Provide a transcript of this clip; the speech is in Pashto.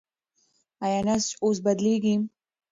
ایا نسج اوس بدلېږي؟